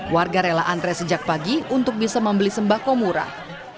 warga rela antre sejak pagi untuk bisa membeli sembako murah